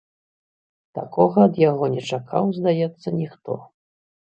Такога ад яго не чакаў, здаецца, ніхто.